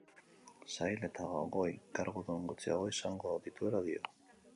Sail eta goi-kargudun gutxiago izango dituela dio.